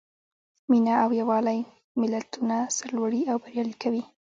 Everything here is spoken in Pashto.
مینه او یووالی ملتونه سرلوړي او بریالي کوي.